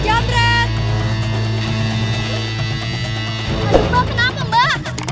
aduh bang kenapa mbak